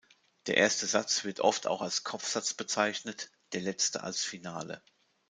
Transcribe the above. Der erste Satz wird oft auch als Kopfsatz bezeichnet, der letzte als Finale.